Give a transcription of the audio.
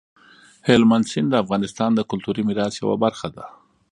هلمند سیند د افغانستان د کلتوري میراث یوه برخه ده.